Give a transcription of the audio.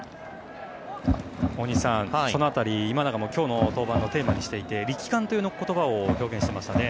大西さん、その辺り今永も今日の登板のテーマにしていて力感という言葉で表現していましたね。